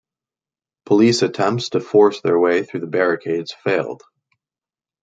Police attempts to force their way through the barricades failed.